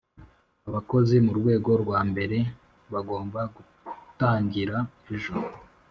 abakozi mu rwego rwa mbere bagomba gutangira ejo